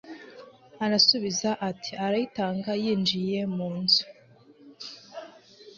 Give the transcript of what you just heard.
Arabasubiza ati Arayitanga Yinjiye mu nzu